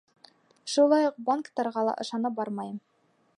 Шулай уҡ банктарға ла ышанып бармайым.